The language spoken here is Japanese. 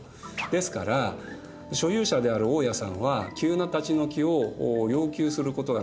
ですから所有者である大家さんは急な立ち退きを要求することがなかなかできない。